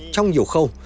trong nhiều khâu